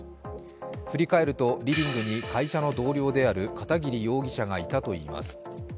振り返ると、リビングに会社の同僚である片桐容疑者がいたといいます。